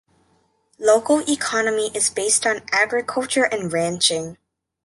Local economy is based on agriculture and ranching.